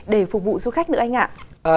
để phục vụ du khách nữa anh ạ